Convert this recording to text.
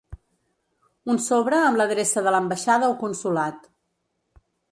Un sobre amb l’adreça de l’ambaixada o consolat.